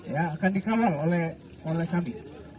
ya akan dikawal oleh kami